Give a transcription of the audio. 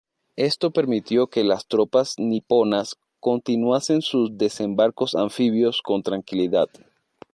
Esto permitió que las tropas niponas continuasen sus desembarcos anfibios con tranquilidad.